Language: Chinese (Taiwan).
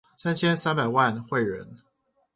三千三百萬會員